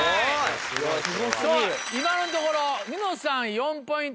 ・すご過ぎる・今のところニノさん４ポイント